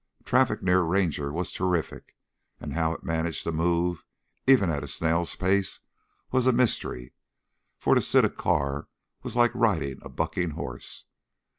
Traffic near Ranger was terrific, and how it managed to move, even at a snail's pace, was a mystery, for to sit a car was like riding a bucking horse.